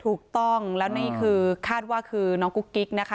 ถูกต้องแล้วนี่คือคาดว่าคือน้องกุ๊กกิ๊กนะคะ